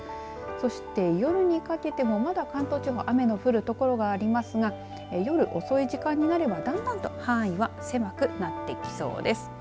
そして夜にかけても、まだ関東地方雨の降る所がありますが夜遅い時間になればだんだんと範囲は狭くなってきそうです。